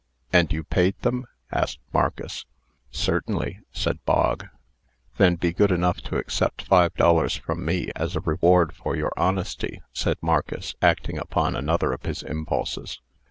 "And you paid them?" asked Marcus. "Certainly," said Bog. "Then be good enough to accept five dollars from me, as a reward for your honesty," said Marcus, acting upon another of his impulses.